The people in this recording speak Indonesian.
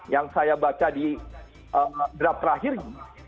yang saya baca di draft terakhir